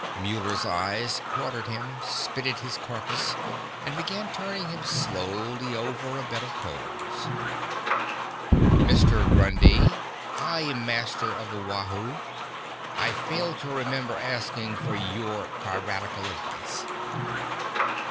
Muller's eyes quartered him, spitted his carcass, and began turning him slowly over a bed of coals. "Mister Grundy, I am master of the Wahoo. I fail to remember asking for your piratical advice. Dr.